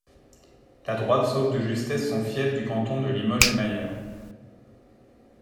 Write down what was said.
La droite sauve de justesse son fief du canton de Limoges-Émailleurs.